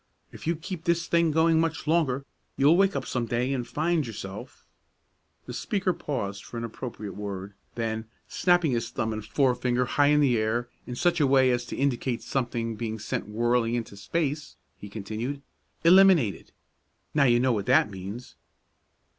If you keep this thing going much longer, you'll wake up some day and find yourself " The speaker paused for an appropriate word; then snapping his thumb and forefinger high in the air in such a way as to indicate something being sent whirling into space, he continued, "eliminated. Now you know what that means."